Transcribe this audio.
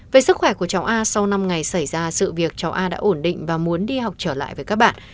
về sức khỏe của cháu a sau năm ngày xảy ra sự việc cháu a đã ổn định và muốn đi học trở lại với các bạn